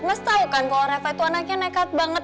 mas tau kan kalau reva itu anaknya nekat banget